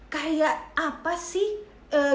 kayak apa sih gimana cara